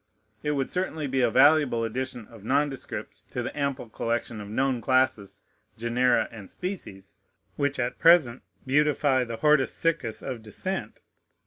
It would certainly be a valuable addition of nondescripts to the ample collection of known classes, genera, and species, which at present beautify the hortus siccus of Dissent.